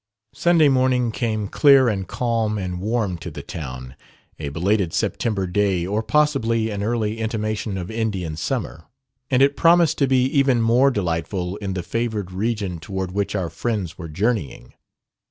Sunday morning came clear and calm and warm to the town, a belated September day, or possibly an early intimation of Indian summer, and it promised to be even more delightful in the favored region toward which our friends were journeying.